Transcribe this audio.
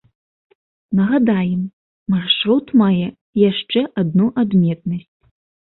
Нагадаем, маршрут мае яшчэ адну адметнасць.